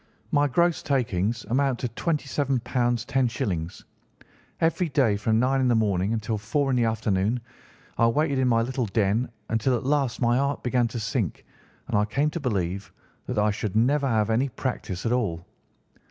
My gross takings amount to £ 27 10_s_. Every day, from nine in the morning until four in the afternoon, I waited in my little den, until at last my heart began to sink, and I came to believe that I should never have any practice at all.